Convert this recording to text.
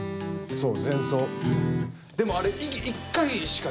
そう。